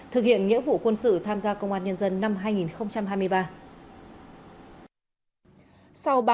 thực hiện nghĩa vụ quân sự tham gia công an nhân dân năm hai nghìn hai mươi ba